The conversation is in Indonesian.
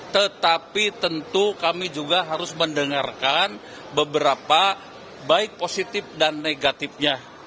tetapi tentu kami juga harus mendengarkan beberapa baik positif dan negatifnya